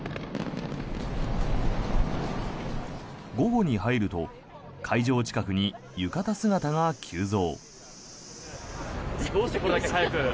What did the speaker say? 午後に入ると会場近くに浴衣姿が急増。